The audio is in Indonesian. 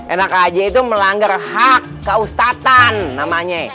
enak aja itu melanggar hak keusatan namanya